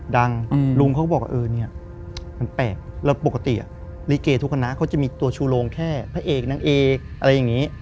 ลุงเขาก็บอกว่าเออเนี่ยมันแปลกแล้วปกติลิเกทุกคณะเขาจะมีตัวชูโรงแค่พระเอกนางเอกอะไรอย่างนี้